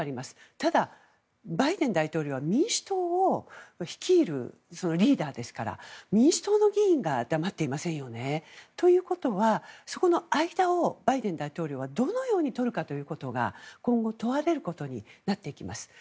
ただ、バイデン大統領は民主党を率いるリーダーですから民主党の議員が黙っていませんよね。ということは、そこの間をバイデン大統領はどのようにとるかということが今後、問われることになっていきます。